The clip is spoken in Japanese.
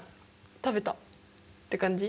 「食べた」って感じ？